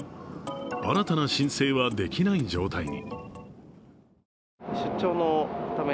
新たな申請はできない状態に。